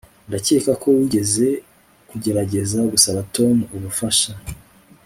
Ndakeka ko wigeze kugerageza gusaba Tom ubufasha